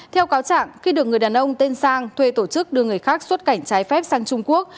theo cáo trạng khi được người đàn ông tên sang thuê tổ chức đưa người khác xuất cảnh trái phép sang trung quốc